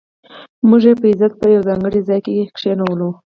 موږ یې په عزت په یو ځانګړي ځای کې کېنولو.